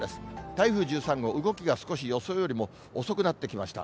台風１３号、動きが少し予想よりも遅くなってきました。